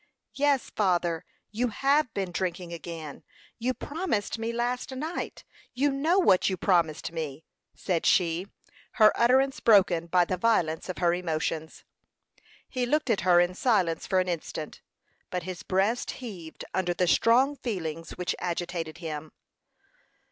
"Yes, father, you have been drinking again. You promised me last night you know what you promised me," said she, her utterance broken by the violence of her emotions. He looked at her in silence for an instant; but his breast heaved under the strong feelings which agitated him.